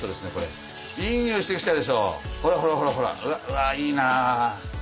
うわいいな。